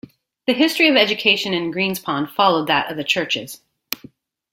The history of education in Greenspond followed that of the churches.